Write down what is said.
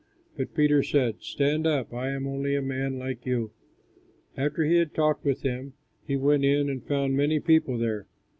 But Peter said, "Stand up, I am only a man, like you." After he had talked with him, he went in, and found many people there.